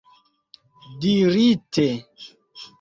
dirite